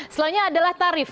selanjutnya adalah tarif